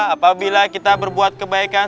apabila kita berbuat kebaikan